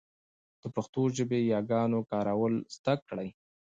د پښتو ژبې ياګانو کارول زده کړئ.